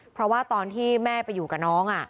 เพราะว่าตอนที่แม่ไปอยู่กับน้อง